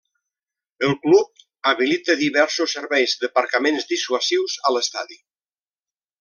El club habilita diversos serveis d'aparcaments dissuasius a l'estadi.